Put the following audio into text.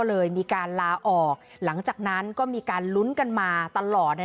เลยมีการลาออกหลังจากนั้นก็มีการลุ้นกันมาตลอด